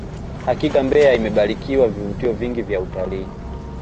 hakika mbeya imebarikiwa vivutio vingi vya utalii